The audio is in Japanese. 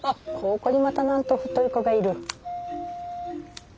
ここにまたなんと太い子がいる。